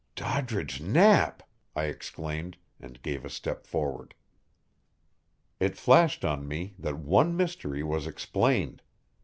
"Doddridge Knapp!" I exclaimed, and gave a step forward. It flashed on me that one mystery was explained.